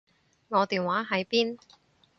我電話喺邊？